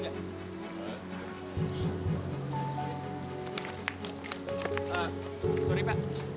yaudah yuk kita cari kesana